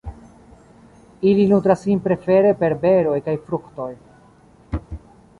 Ili nutras sin prefere per beroj kaj fruktoj.